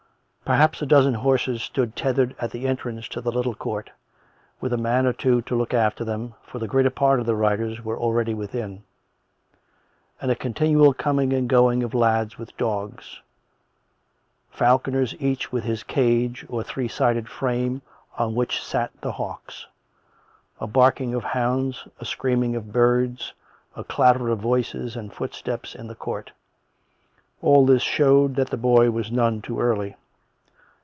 Per haps a dozen horses stood tethered at the entrance to the little court, with a man or two to look after them, for the greater part of their riders were already within; and a continual coming and going of lads with dogs; falconers each with his cadge, or three sided frame on which sat the hawks ; a barking of hounds, a screaming of birds, a clatter of voices and footsteps in the court — all this showed that the boy was none too early.